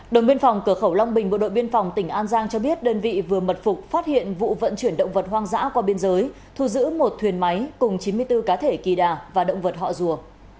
đồng biên phòng cửa khẩu long bình bộ đội biên phòng tỉnh an giang cho biết đơn vị vừa mật phục phát hiện vụ vận chuyển động vật hoang dã qua biên giới thu giữ một thuyền máy cùng chín mươi bốn cá thể kỳ đà và động vật họ rùa